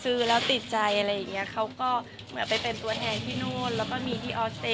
ซื้อแล้วติดใจเขาก็ผมอยากไปเป็นตัวแทนที่นู่นแล้วก็มีที่ออสเตรเลีย